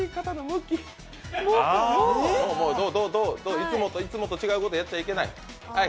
いつもと違うことやっちゃいけない。